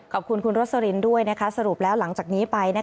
ขอบคุณคุณรสลินด้วยสรุปแล้วหลังจากนี้ไป